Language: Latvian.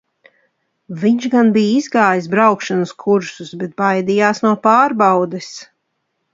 Viņš gan bija izgājis braukšanas kursus, bet baidījās no pārbaudes.